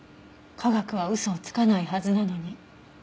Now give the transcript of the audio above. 科学は嘘をつかないはずなのに。